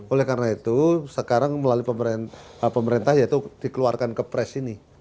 oleh karena itu sekarang melalui pemerintah yaitu dikeluarkan ke pres ini